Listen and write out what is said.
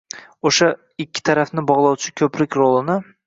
o‘sha – ikki tarafni bog‘lovchi ko‘prik rolini